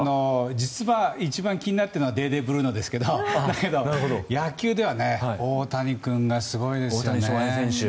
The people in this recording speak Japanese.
実は一番気になっているのはデーデー・ブルーノですけど野球ではね大谷君がすごいですよね。